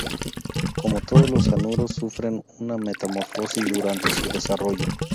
Como todos los anuros, sufren una metamorfosis durante su desarrollo.